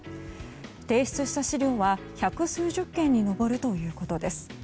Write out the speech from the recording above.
提出した資料は百数十件に上るということです。